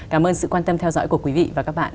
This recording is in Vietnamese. cảm ơn sự quan tâm theo dõi của quý vị và các bạn